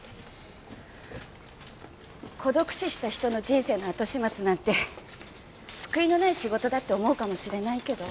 孤独死した人の人生の後始末なんて救いのない仕事だって思うかもしれないけど